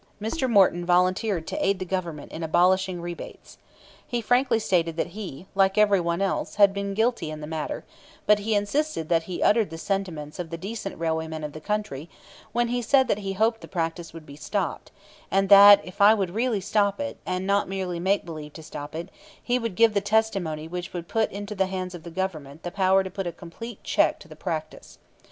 Mr. Morton volunteered to aid the Government in abolishing rebates. He frankly stated that he, like every one else, had been guilty in the matter; but he insisted that he uttered the sentiments of the decent railway men of the country when he said that he hoped the practice would be stopped, and that if I would really stop it, and not merely make believe to stop it, he would give the testimony which would put into the hands of the Government the power to put a complete check to the practice.